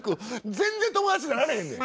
全然友達なられへんねん。